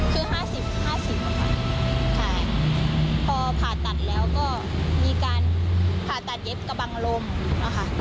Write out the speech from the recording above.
คือ๕๐๕๐ค่ะพอผ่าตัดแล้วก็มีการผ่าตัดเย็บกระบังลมนะคะ